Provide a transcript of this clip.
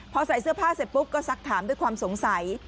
พอใส่เสื้อผ้าเสร็จปุ๊บก็ซักถามด้วยความสงสัย